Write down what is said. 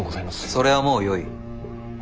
それはもうよい。